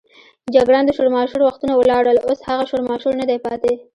جګړن: د شورماشور وختونه ولاړل، اوس هغه شورماشور نه دی پاتې.